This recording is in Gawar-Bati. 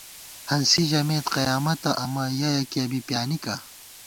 ہنسی ژَمېت قیامَتہ امہ یَہ یَکِیہ بی پیانِکا